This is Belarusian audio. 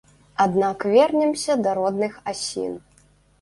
Аднак вернемся да родных асін.